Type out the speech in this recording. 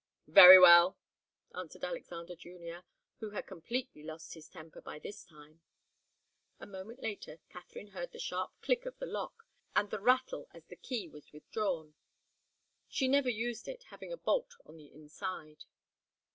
"Very well," answered Alexander Junior, who had completely lost his temper by this time. A moment later Katharine heard the sharp click of the lock, and the rattle as the key was withdrawn. She never used it, having a bolt on the inside.